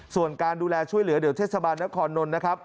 ส่วนการดูแลช่วยเหลือเดี๋ยวเทศบาลนครนนท์นะครับ